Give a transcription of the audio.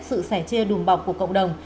sự sẻ chia đùm bọc của cộng đồng